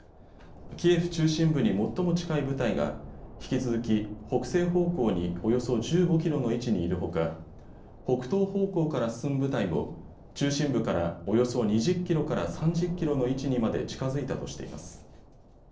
キエフ中心部に最も近い部隊が引き続き北西方向におよそ１５キロの位置にいるほか北東方向から進む部隊も中心部からおよそ２０キロから３０キロの位置にまで近づいたとしています。